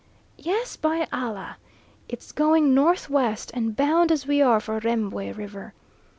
Yes, by Allah! it's going north west and bound as we are for Rembwe River.